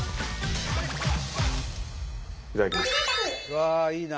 いただきます。